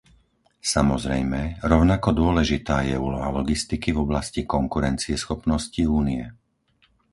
Samozrejme, rovnako dôležitá je úloha logistiky v oblasti konkurencieschopnosti Únie.